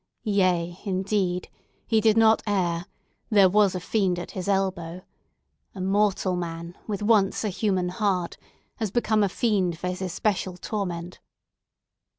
Yea, indeed, he did not err, there was a fiend at his elbow! A mortal man, with once a human heart, has become a fiend for his especial torment."